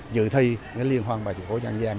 giữ thi liên hoàn vào chủ phố nhân giang